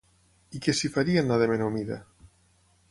I què s'hi faria en la de menor mida?